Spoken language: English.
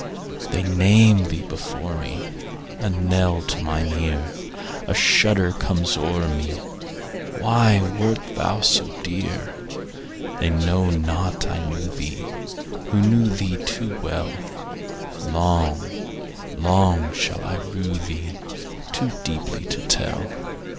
They name thee before me,A knell to mine ear;A shudder comes o'er me—Why wert thou so dear? They know not I knew theeWho knew thee too well:Long, long shall I rue theeToo deeply to tell.